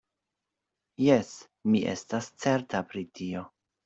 Jes; mi estas certa pri tio.